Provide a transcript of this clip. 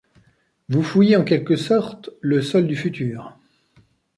Vous fouillez en quelque sorte le sol du futur.